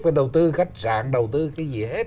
phải đầu tư khách sạn đầu tư cái gì hết